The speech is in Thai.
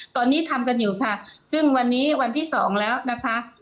ตอนนี้ทำกันอยู่ค่ะซึ่งวันนี้วันที่สองแล้วนะคะ